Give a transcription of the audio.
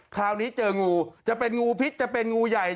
คราวนี้เจองูจะเป็นงูพิษจะเป็นงูใหญ่